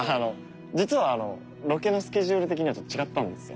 実はロケのスケジュール的には違ったんですよ。